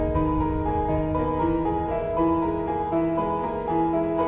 kamu gak ngasih kesempatan mama